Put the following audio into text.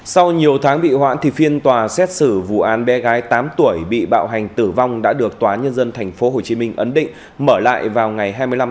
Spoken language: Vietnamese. sau nhiều tháng bị hoãn thì phiên tòa xét xử vụ án bé gái tám tuổi bị bạo hành tử vong đã được tòa nhân dân thành phố hồ chí minh ấn định mở lại vào ngày hai mươi năm tháng một mươi một tới đây